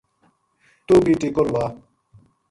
توہ بھی ٹیکو لوا